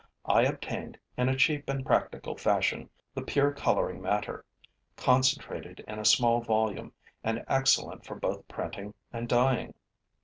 I obtained, in a cheap and practical fashion, the pure coloring matter, concentrated in a small volume and excellent for both printing and dyeing.